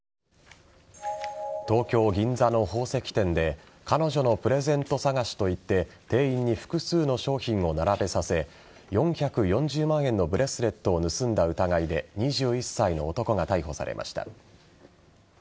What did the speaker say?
東京・銀座の宝石店で彼女のプレゼント探しと言って店員に複数の商品を並べさせ４４０万円のブレスレットを盗んだ疑いで２１歳の男が逮捕されました。